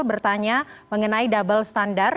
bertanya mengenai double standard